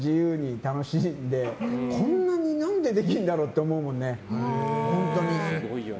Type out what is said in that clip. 何でこんなにできるんだろうって思うもんね。